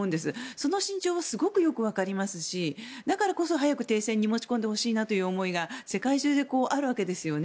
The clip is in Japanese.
その心情はすごくよくわかりますしだからこそ早く停戦に持ち込んでほしいなという思いが世界中であるわけですよね。